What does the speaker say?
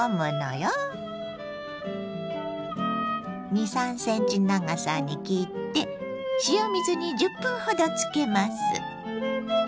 ２３ｃｍ長さに切って塩水に１０分ほどつけます。